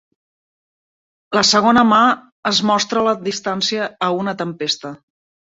La segona mà es mostra la distància a una tempesta.